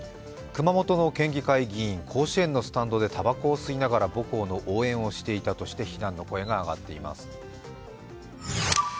熊本の県議会議員、甲子園のスタンドでたばこを吸いながら母校の応援していたとして非難の声が上がっています。